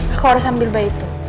aku harus ambil bayi itu